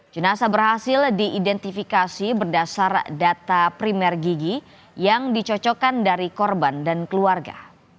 jenasa berhasil diidentifikasi berdasar data primer gigi yang dicocokkan dari korban dan keluarga